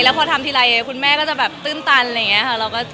แล้วพอทำทีไรคุณแม่ก็จะตื้นตันอะไรอย่างเงี้ย